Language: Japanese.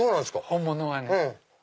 本物はね。